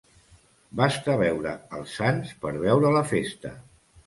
Basta veure els sants per veure la festa.